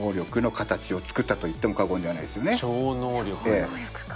超能力か。